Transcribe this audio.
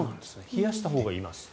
冷やしたほうがいいと。